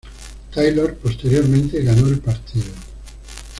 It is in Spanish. Taylor posteriormente ganó el partido.